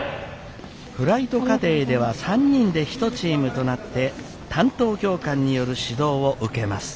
フライト課程では３人で一チームとなって担当教官による指導を受けます。